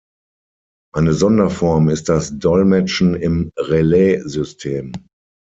Eine Sonderform ist das Dolmetschen im Relais-System.